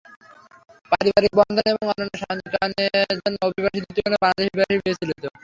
পারিবারিক বন্ধন এবং অন্যান্য সামাজিক কারণে অন্য অভিবাসীদের তুলনায় বাংলাদেশিরা বেশি বিচলিত।